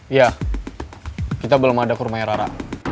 iya kita belum ada ke rumahnya rara